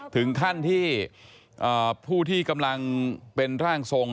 ถึงขั้นที่ผู้ที่กำลังเป็นร่างทรง